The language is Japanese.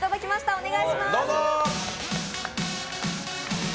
お願いします。